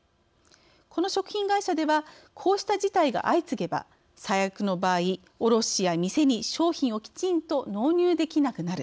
この食品会社ではこうした事態が相次げば最悪の場合卸や店に商品をきちんと納入できなくなる。